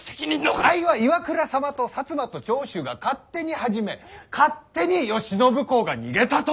あいは岩倉様と摩と長州が勝手に始め勝手に慶喜公が逃げたと。